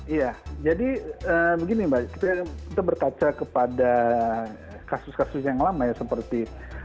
iya jadi begini mbak kita berkaca kepada kasus kasus yang lama ya seperti